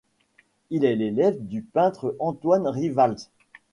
Il est l'élève du peintre Antoine Rivalz.